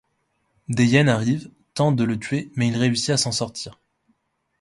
Des hyènes arrivent, tentent de le tuer mais il réussit à s'en sortir.